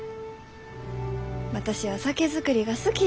私は酒造りが好きじゃ。